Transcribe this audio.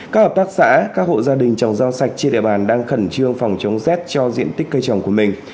các hợp tác xã các hộ gia đình trồng rau sạch trên địa bàn đang khẩn trương phòng chống rét cho diện tích cây trồng của mình